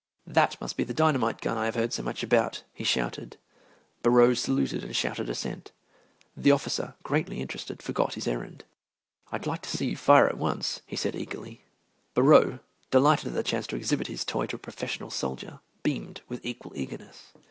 "That must be the dynamite gun I have heard so much about," he shouted. Borrowe saluted and shouted assent. The officer, greatly interested, forgot his errand. "I'd like to see you fire it once," he said eagerly. Borrowe, delighted at the chance to exhibit his toy to a professional soldier, beamed with equal eagerness.